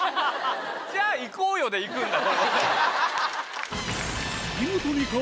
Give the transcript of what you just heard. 「じゃあ行こうよ」で行くんだ。